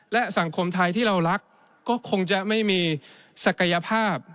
และสังคมไทยที่เรารักก็คงจะไม่มีศักยภาพ